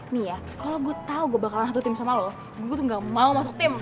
nih ya kalau gue tau gue bakalan satu tim sama lo gue tuh gak mau masuk tim